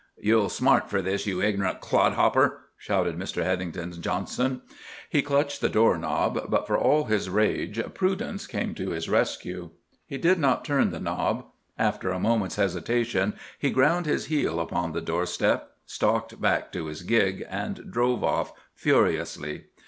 "You'll smart for this, you ignorant clod hopper!" shouted Mr. Heathington Johnson. He clutched the door knob. But for all his rage, prudence came to his rescue. He did not turn the knob. After a moment's hesitation he ground his heel upon the doorstep, stalked back to his gig, and drove off furiously.